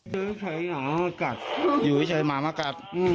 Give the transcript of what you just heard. อยู่ที่ใช้หมากัดอยู่ที่ใช้หมามากัด